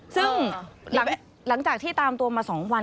ซึ่งหลังจากที่ตามตัวมา๒วัน